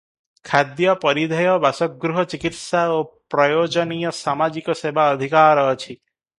ଖାଦ୍ୟ, ପରିଧେୟ, ବାସଗୃହ, ଚିକିତ୍ସା ଓ ପ୍ରୟୋଜନୀୟ ସାମାଜିକ ସେବା ଅଧିକାର ଅଛି ।